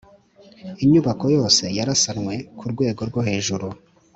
Inyubako yose yarasanwe ku rwego rwo hejuru